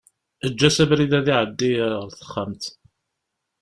Eǧǧ-as abrid ad iɛeddi ar texxamt.